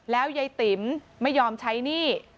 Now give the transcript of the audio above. แล้วยายติ๋มไม่ยอมใช้หนี้